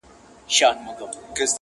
لکه ماشوم پر ورکه لاره ځمه -